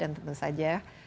dan tentu saja